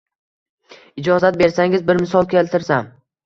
Ijozat bersangiz, bir misol keltirsam.